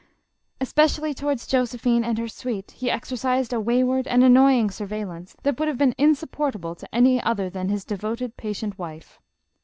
Espe cially towards Josephine and her suite, he exercised a wayward and annoying surveillance, that would have been insupportable to any other than his devoted, patient wife.